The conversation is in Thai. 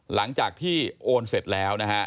หลังจากที่โอนเสร็จแล้วนะฮะ